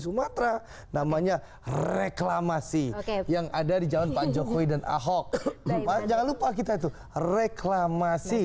sumatera namanya reklamasi yang ada di jalan pak jokowi dan ahok jangan lupa kita itu reklamasi